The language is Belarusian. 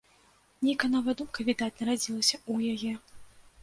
Нейкая новая думка, відаць, нарадзілася ў яе.